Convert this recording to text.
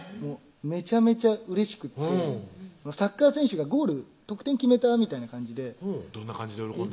めちゃめちゃうれしくてサッカー選手が得点決めたみたいな感じでどんな感じで喜んだの？